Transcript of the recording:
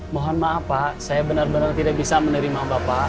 mohon maaf pak saya benar benar tidak bisa menerima bapak